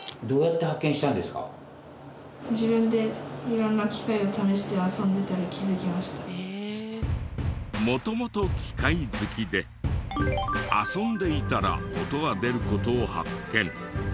自分で色んな元々機械好きで遊んでいたら音が出る事を発見。